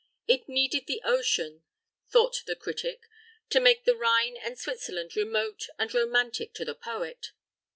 It needed the ocean, thought the critic, to make the Rhine and Switzerland remote and romantic to the poet.